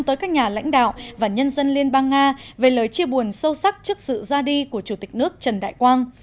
tới các nhà lãnh đạo và nhân dân liên bang nga về lời chia buồn sâu sắc trước sự ra đi của chủ tịch nước trần đại quang